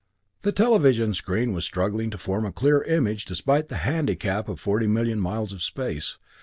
The television screen was struggling to form a clear image despite the handicap of forty million miles of space.